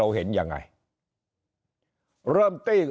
การเมืองให้เราเห็นอย่างไร